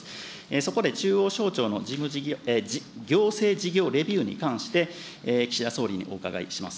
そこで中央省庁の行政事業レビューに関して、岸田総理にお伺いします。